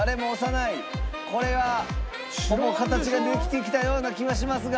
これはほぼ形ができてきたような気がしますが。